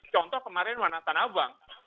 contoh kemarin warna tanah abang